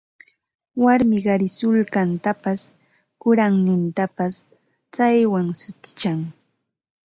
Warmi qari sullkantapas kuraqnintapas chaywan sutichan